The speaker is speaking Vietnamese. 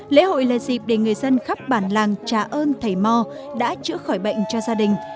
lễ hội là dịp để người dân khắp bản làng trà ơn thầy mo đã chữa khỏi bệnh cho gia đình